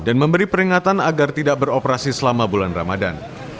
dan memberi peringatan agar tidak beroperasi selama bulan ramadhan